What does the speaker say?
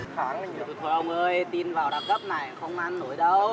thôi ông ơi tin vào đa cấp này không ăn nổi đâu